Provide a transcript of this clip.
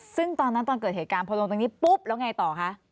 ซึ่งตอนนั้นตอนเกิดเหตุการณ์พอลงตรงนี้ปุ๊บแล้วไงต่อคะ